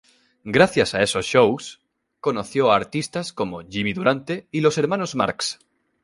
Gracias a esos shows conoció a artistas como Jimmy Durante y los Hermanos Marx.